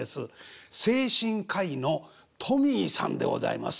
精神科医のＴｏｍｙさんでございます。